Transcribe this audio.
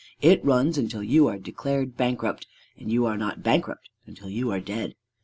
It runs until you are declared bankrupt; and you are not bankrupt until you are dead.